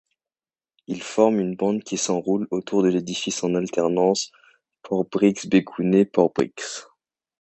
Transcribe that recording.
Ils forment une bande qui s'enroule autour de l'édifice en alternance porebriks-bégounets-porebriks.